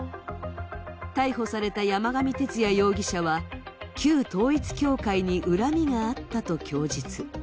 逮捕された山上徹也容疑者は旧統一教会に恨みがあったと供述。